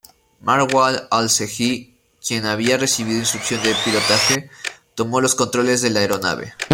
Marwan al-Shehhi, quien había recibido instrucción de pilotaje, tomó los controles de la aeronave.